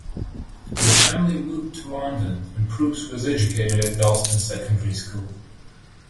The family moved to London and Proops was educated at Dalston Secondary School.